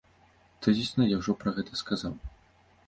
Тэзісна я ўжо пра гэта сказаў.